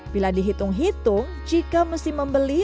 bila dihitung hitung jika mesti membeli